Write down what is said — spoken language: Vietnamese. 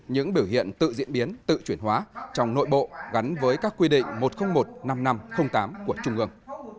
những biểu hiện tự diễn biến tự chuyển hóa trong nội bộ gắn với các quy định một trăm linh một năm nghìn năm trăm linh tám của trung ương